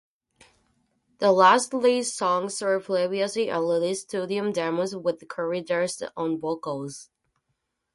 The last three songs are previously unreleased studio demos with Corey Darst on vocals.